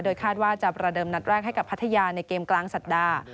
คาดว่าจะประเดิมนัดแรกให้กับพัทยาในเกมกลางสัปดาห์